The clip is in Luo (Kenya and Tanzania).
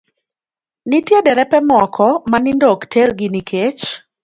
Nitie derepe moko ma nindo ok tergi nikech